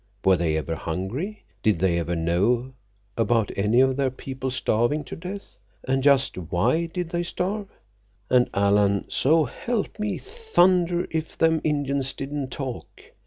Were they ever hungry? Did they ever know about any of their people starving to death? And just why did they starve? And, Alan, so help me thunder if them Indians didn't talk!